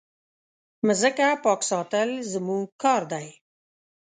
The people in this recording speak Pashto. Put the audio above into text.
مځکه پاک ساتل زموږ کار دی.